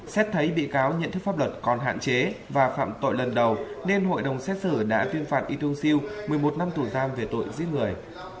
xét thấy bị cáo nhận thức pháp luật còn hạn chế và phạm tội lần đầu nên hội đồng xét xử đã tuyên phạt y tung siêu một mươi một năm tù giam về tội giết người